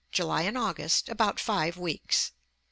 July and August, about five weeks.